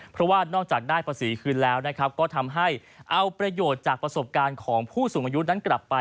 เพราะว่านอกจากได้ภาษีคืนแล้วนะครับก็ทำให้เอาประโยชน์จากประสบการณ์ของผู้สูงอายุนั้นกลับไป